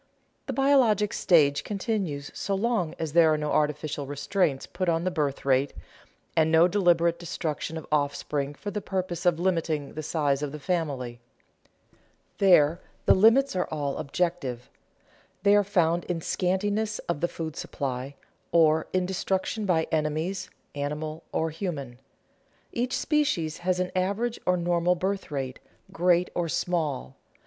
_ The biologic stage continues so long as there are no artificial restraints put on the birth rate, and no deliberate destruction of offspring for the purposes of limiting the size of the family. There the limits are all objective; they are found in scantiness of the food supply, or in destruction by enemies, animal or human. Each species has an average or normal birth rate, great or small.